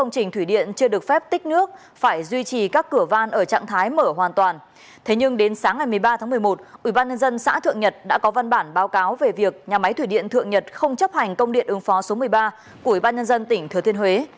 thế nhưng đến sáng ngày một mươi ba tháng một mươi một ubnd xã thượng nhật đã có văn bản báo cáo về việc nhà máy thủy điện thượng nhật không chấp hành công điện ứng phó số một mươi ba của ubnd tỉnh thừa thiên huế